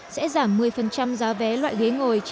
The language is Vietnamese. sẽ giảm một mươi giá vé loại ghế ngồi